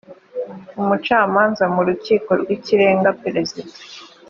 umucamanza mu rukiko rw ikirenga perezida